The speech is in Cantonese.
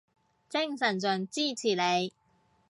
精神上支持你